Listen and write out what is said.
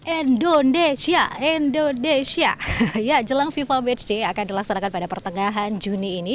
indonesia indonesia ya jelang fifa matchday akan dilaksanakan pada pertengahan juni ini